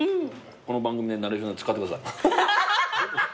この番組でナレーション使ってください。